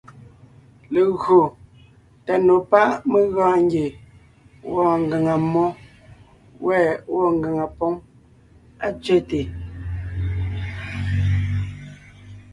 Legÿo tà nò pá’ mé gɔɔn ngie wɔɔn ngàŋa mmó, wὲ gwɔ́ ngàŋa póŋ á tsẅέte.